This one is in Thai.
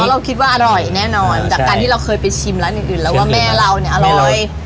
เราคิดว่าอร่อยแน่นอนจากการที่เราเคยไปชิมร้านอื่นแล้วว่าแม่เราเนี่ยอร่อย